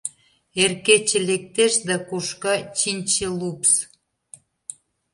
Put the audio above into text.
Эр кече лектеш да кошка чинче лупс.